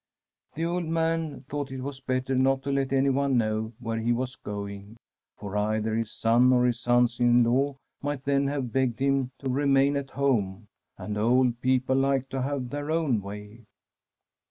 The old man thought it was better not to let anyone know where he was go ing, for either his son or his sons in law might then have begged him to remain at home, and old people like to have their own way.